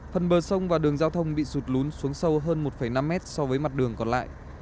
phần bờ sông và đường giao thông bị sụt lún xuống sâu hơn một năm mét so với mặt đường còn lại